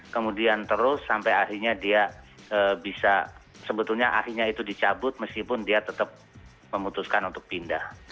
kemudian terus sampai akhirnya dia bisa sebetulnya akhirnya itu dicabut meskipun dia tetap memutuskan untuk pindah